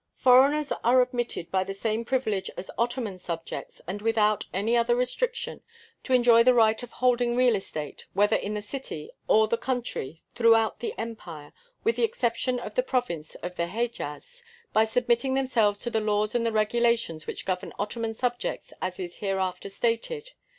Foreigners are admitted by the same privilege as Ottoman subjects, and without any other restriction, to enjoy the right of holding real estate, whether in the city or the country, throughout the Empire, with the exception of the Province of the Hédjaz, by submitting themselves to the laws and the regulations which govern Ottoman subjects as is hereafter stated.